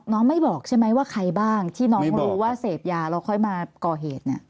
ไม่บอกใช่ไหมว่าใครบ้างที่น้องรู้ว่าเสพยาแล้วค่อยมาก่อเหตุเนี่ย